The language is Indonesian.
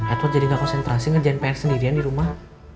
edward jadi gak konsentrasi ngerjain pr sendirian di rumah